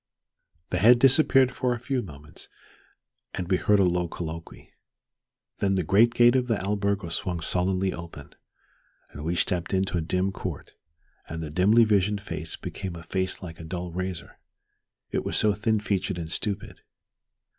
The head disappeared for a few moments and we heard a low colloquy. Then the great gate of the albergo swung sullenly open, and we stepped into a dim court, and the dimly visioned face became a face like a dull razor, it was so thin featured and stupid.